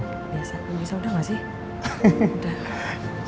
biasa bisa udah gak sih